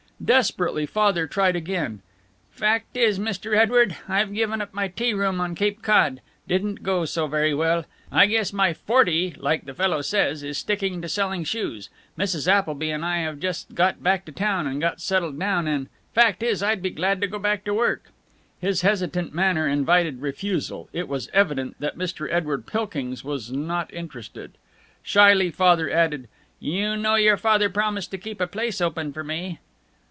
Desperately Father tried again. "Fact is, Mr. Edward, I've given up my tea room on Cape Cod. Didn't go so very well. I guess my forty, like the fellow says, is sticking to selling shoes. Mrs. Appleby and I have just got back to town and got settled down and Fact is, I'd be glad to go back to work." His hesitant manner invited refusal. It was evident that Mr. Edward Pilkings was not interested. Shyly Father added, "You know your father promised to keep a place open for me."